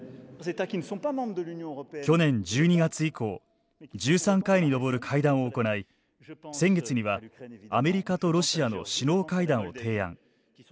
去年１２月以降１３回に上る会談を行い先月にはアメリカとロシアの首脳会談を提案。